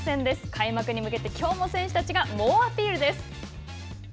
開幕に向けて、きょうも選手たちが猛アピールです。